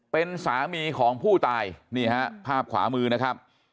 เป็นสามีของผู้ตายนี่ฮะภาพขวามือนะครับ